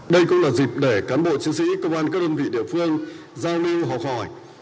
đây cũng là dịp để cán bộ chiến sĩ cơ quan các đơn vị địa phương giao lưu họ khỏi